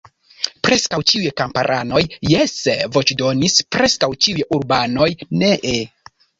Preskaŭ ĉiuj kamparanoj jese voĉdonis; preskaŭ ĉiuj urbanoj nee.